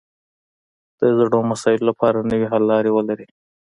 د زړو مسایلو لپاره نوې حل لارې ولري